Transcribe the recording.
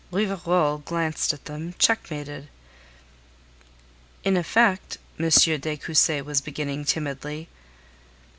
Rivarol glared at them, checkmated. "In effect..." M. de Cussy was beginning timidly.